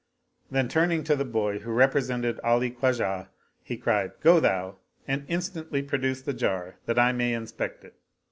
Then turning to the boy who represented Ali Khwajah he cried, " Go thou and instantly produce the jar that I may inspect it."